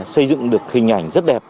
xây dựng được hình ảnh rất đẹp